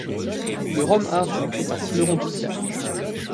Le rhum Hardy est un fleuron du village.